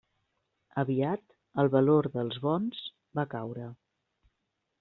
Aviat, el valor dels bons va caure.